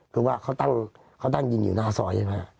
คือว่าเขาตั้งยิงอยู่หน้าซอยใช่ไหม